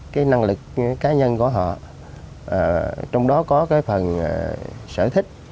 cái năng lực cá nhân của họ trong đó có cái phần sở thích